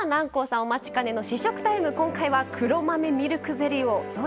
お待ちかねの試食タイム、今回は黒豆ミルクゼリーをどうぞ。